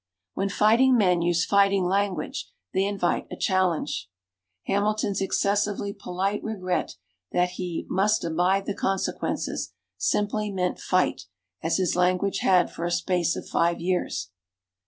When fighting men use fighting language they invite a challenge. Hamilton's excessively polite regret that "he must abide the consequences" simply meant fight, as his language had for a space of five years.